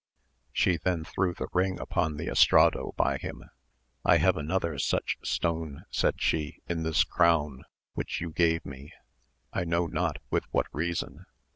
She then threw the ring upon the estrado by him. I liave another such stone, said she, in this crown which you gave me, I know not with what reason.